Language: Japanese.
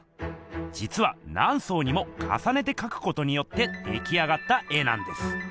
じつは何層にもかさねて描くことによって出来上がった絵なんです。